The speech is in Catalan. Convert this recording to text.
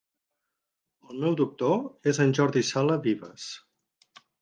El meu doctor és en Jordi Sala Vives.